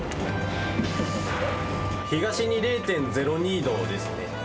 東に０．０２度ですね。